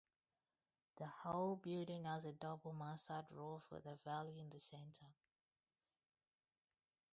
The whole building has a double mansard roof with a valley in the centre.